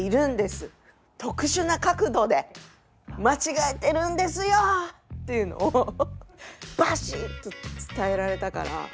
特殊な角度で間違えてるんですよ！」というのをバシッと伝えられたから。